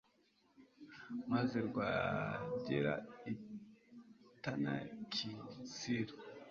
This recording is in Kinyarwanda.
maze rwagera i tanaki silo